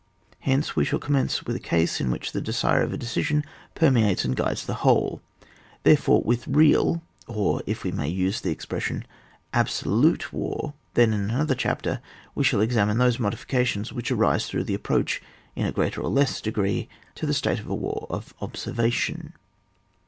Hence we shall com mence with the case in which the desire of a decision permeates and guides the whole, therefore with real^ or if we may use the expression, absolute war ; then in another chapter we shall examine those modifications which arise through the approach, in a greater or less degpree, to the state of a war of observation.